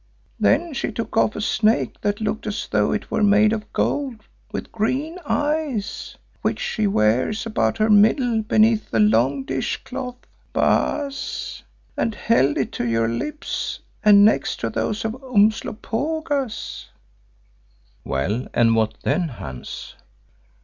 Then she took off a snake that looked as though it were made of gold with green eyes, which she wears about her middle beneath the long dish cloth, Baas, and held it to your lips and next to those of Umslopogaas." "Well, and what then, Hans?"